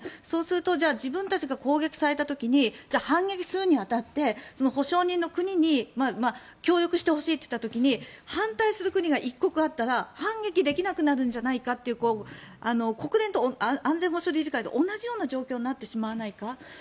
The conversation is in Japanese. そうすると自分たちが攻撃された時に反撃するに当たって保証人の国に協力してほしいといった時に反対する国が１国あったら反撃ができなくなるんじゃないかという国連の安全保障理事会と同じような状況になってしまわないか。